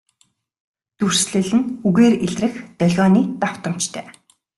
Дүрслэл нь үгээр илрэх долгионы давтамжтай.